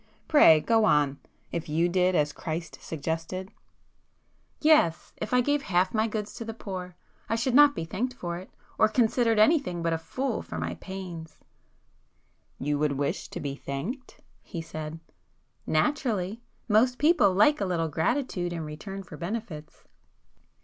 Pray go on,—if you did as Christ suggested——" "Yes,—if I gave half my goods to the poor, I should not be thanked for it, or considered anything but a fool for my pains." [p 294]"You would wish to be thanked?" he said. "Naturally! Most people like a little gratitude in return for benefits."